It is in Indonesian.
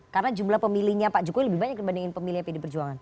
karena jumlah pemilihnya pak jokowi lebih banyak dibandingin pemilih pd perjuangan